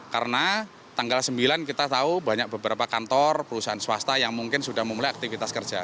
karena tanggal sembilan kita tahu banyak beberapa kantor perusahaan swasta yang mungkin sudah memulai aktivitas kerja